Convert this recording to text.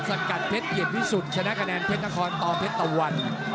สดกันเพชรเยี่ยมที่สุดชนะแคะแนนเพชรนครต่อเพชรตะวัน